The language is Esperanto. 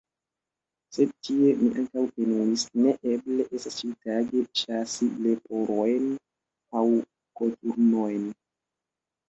Sed tie mi ankaŭ enuis: ne eble estas ĉiutage ĉasi leporojn aŭ koturnojn!